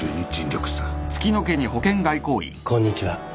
こんにちは。